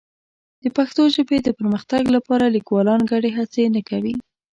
د پښتو ژبې د پرمختګ لپاره لیکوالان ګډې هڅې نه کوي.